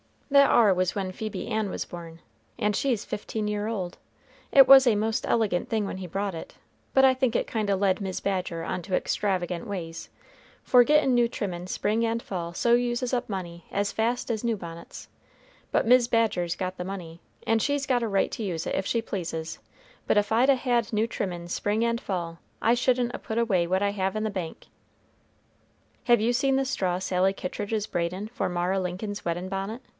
That ar was when Phebe Ann was born, and she's fifteen year old. It was a most elegant thing when he brought it; but I think it kind o' led Mis' Badger on to extravagant ways, for gettin' new trimmin' spring and fall so uses up money as fast as new bonnets; but Mis' Badger's got the money, and she's got a right to use it if she pleases; but if I'd a had new trimmin's spring and fall, I shouldn't a put away what I have in the bank." "Have you seen the straw Sally Kittridge is braidin' for Mara Lincoln's weddin' bonnet?"